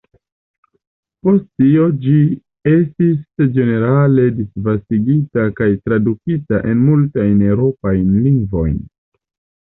Post tio ĝi estis ĝenerale disvastigita kaj tradukita en multajn Eŭropajn lingvojn.